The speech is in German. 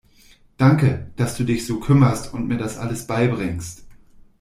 Danke, dass du dich so kümmerst und mir das alles beibringst.